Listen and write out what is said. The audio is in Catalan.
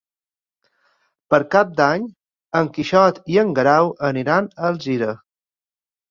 Per Cap d'Any en Quixot i en Guerau aniran a Alzira.